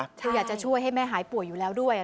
คืออยากจะช่วยให้แม่หายป่วยอยู่แล้วด้วย